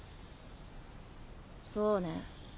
そうね。